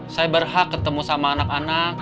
saya berhak ketemu sama anak anak